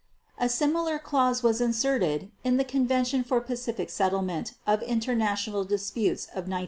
A similar clause was inserted in the Convention for Pacific Settlement of International Disputes of 1907.